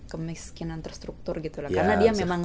kemiskinan terstruktur gitu lah karena dia memang